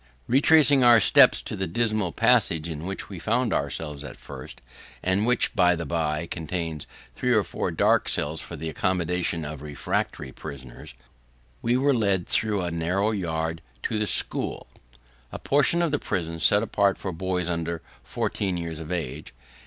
(2) Retracing our steps to the dismal passage in which we found ourselves at first (and which, by the bye, contains three or four dark cells for the accommodation of refractory prisoners), we were led through a narrow yard to the 'school' a portion of the prison set apart for boys under fourteen years of age.